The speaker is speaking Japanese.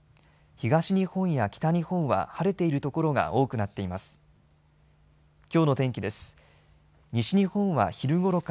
東日本や北日本は晴れている所が多くなっています。